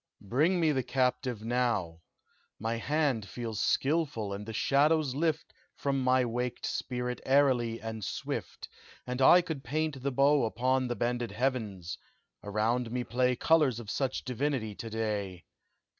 "Bring me the captive now! My hand feels skilful, and the shadows lift From my waked spirit airily and swift, And I could paint the bow Upon the bended heavens around me play Colors of such divinity to day.